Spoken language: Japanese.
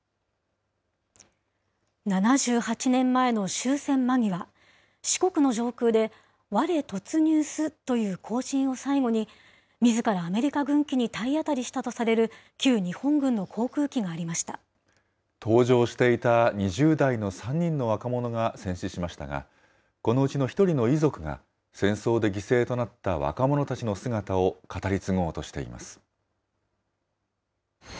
７８年前の終戦間際、四国の上空で、ワレ突入スという交信を最後に、みずからアメリカ軍機に体当たりしたとされる旧日本軍の航空機が搭乗していた２０代の３人の若者が戦死しましたが、このうちの１人の遺族が、戦争で犠牲となった若者たちの姿を語り継ごうとしています。